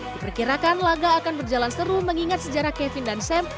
diperkirakan laga akan berjalan seru mengingat sejarah kevin dan sam